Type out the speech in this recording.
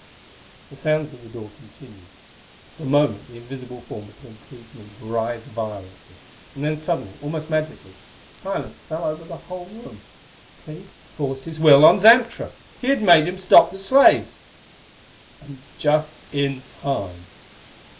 The sounds at the door continued; for a moment the invisible form between Clee's knees writhed violently and then suddenly, almost magically, a silence fell over the whole room. Clee had forced his will on Xantra! He had made him stop the slaves! And just in time.